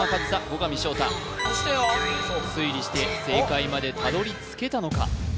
後上翔太推理して正解までたどりつけたのか？